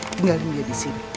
tinggalin dia disini